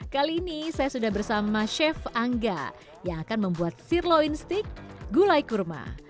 kali ini saya sudah bersama chef angga yang akan membuat sirloin steak gulai kurma